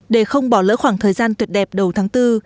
để không bỏ lỡ khoảng thời gian tuyệt đẹp đầu tháng bốn